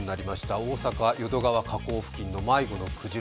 大阪・淀川河口付近の迷子のクジラ